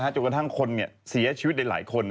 จนกระทั่งคนเสียชีวิตในหลายคน